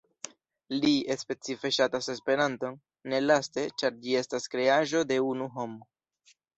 Li "specife ŝatas Esperanton", ne laste, ĉar ĝi estas kreaĵo de unu homo.